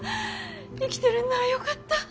生きてるんならよかったぁ。